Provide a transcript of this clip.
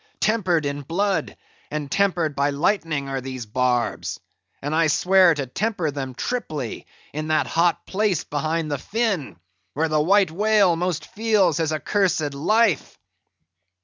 Tempered in blood, and tempered by lightning are these barbs; and I swear to temper them triply in that hot place behind the fin, where the White Whale most feels his accursed life!"